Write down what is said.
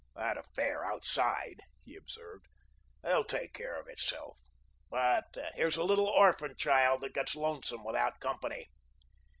"That affair outside," he observed, "will take care of itself, but here's a little orphan child that gets lonesome without company."